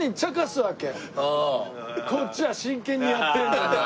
こっちは真剣にやってるのに。